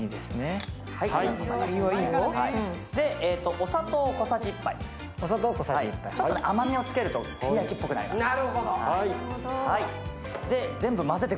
お砂糖を小さじ１杯、ちょっと甘みをつけると照り焼きっぽくなるかな。